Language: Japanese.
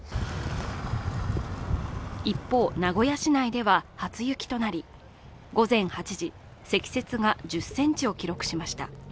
一方、名古屋市内では初雪となり、午前８時、積雪が１０ｃｍを記録しました。